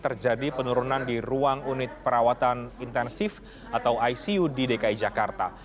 terjadi penurunan di ruang unit perawatan intensif atau icu di dki jakarta